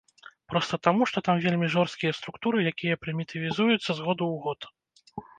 Проста таму, што там вельмі жорсткія структуры, якія прымітывізуюцца з году ў год.